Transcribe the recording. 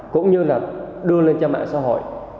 cũng như đưa lên cho mạng xã hội